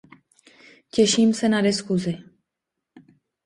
Těším se na diskusi.